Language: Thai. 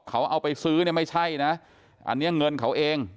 เขาเอาไปซื้อเนี่ยไม่ใช่นะอันนี้เงินเขาเอง